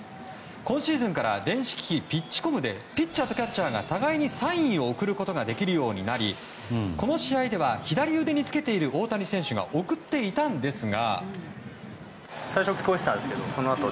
今シーズンから電子機器ピッチコムでピッチャーとキャッチャーが互いにサインを送ることができるようになりこの試合では左腕につけている大谷選手が送っていたんですが。